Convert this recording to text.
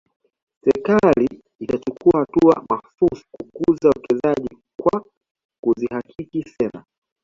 Serikali itachukua hatua mahsusi kukuza uwekezaji kwa kuzihakiki sera